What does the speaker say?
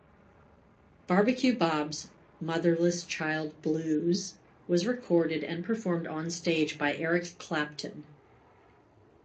Barbecue Bob's "Motherless Child Blues" was recorded and performed on stage by Eric Clapton.